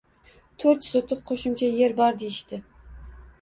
To'rt sotix qoʼshimcha yer bor deyishdi.